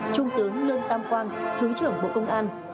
trung tướng lương tam quang thứ trưởng bộ công an